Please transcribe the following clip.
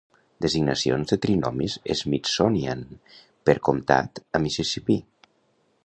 Designacions de trinomis Smithsonian per comptat a Mississipí.